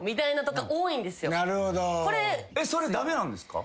それ駄目なんですか？